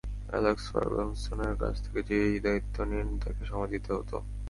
Alex ফার্গুসনের কাছ থেকে যে-ই দায়িত্ব নিন, তাঁকে সময় দিতে হতো।